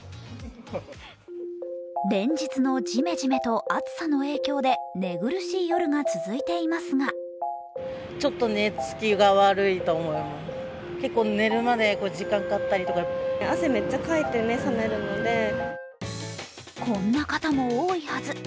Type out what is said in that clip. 連日のじめじめと暑さの影響で寝苦しい夜が続いていますがこんな方も多いはず。